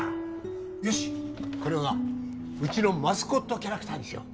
よしこれはうちのマスコットキャラクターにしよう